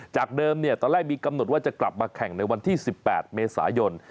จากเดิมตอนแรกมีกำหนดว่าจะกลับมาแข่งในวันที่๑๘เมษายน